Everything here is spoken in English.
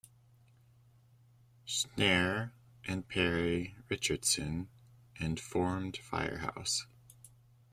Snare and Perry Richardson, and formed FireHouse.